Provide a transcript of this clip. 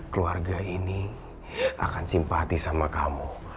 keluarga ini akan simpati sama kamu